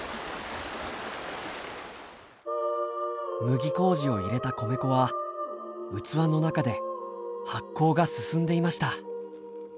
麦麹を入れた米粉は器の中で発酵が進んでいました。